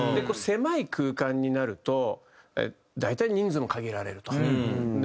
狭い空間になると大体人数も限られると。